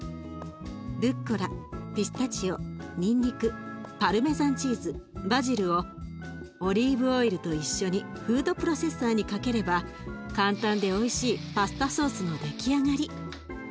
ルッコラピスタチオニンニクパルメザンチーズバジルをオリーブオイルと一緒にフードプロセッサーにかければ簡単でおいしいパスタソースの出来上がり。